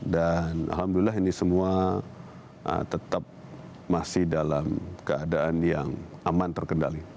dan alhamdulillah ini semua tetap masih dalam keadaan yang aman terkendali